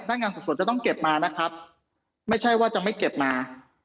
นักงานสอบสวนจะต้องเก็บมานะครับไม่ใช่ว่าจะไม่เก็บมา